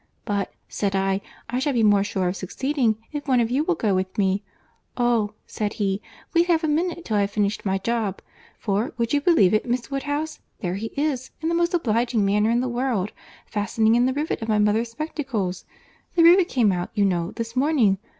'—But, said I, I shall be more sure of succeeding if one of you will go with me.—'Oh,' said he, 'wait half a minute, till I have finished my job;'—For, would you believe it, Miss Woodhouse, there he is, in the most obliging manner in the world, fastening in the rivet of my mother's spectacles.—The rivet came out, you know, this morning.